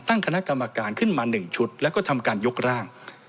ตั้งคณะกรรมการขึ้นมา๑ชุดแล้วก็ทำการยกร่าง